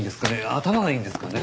頭がいいんですかね？